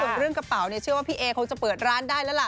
ส่วนเรื่องกระเป๋าเนี่ยเชื่อว่าพี่เอคงจะเปิดร้านได้แล้วล่ะ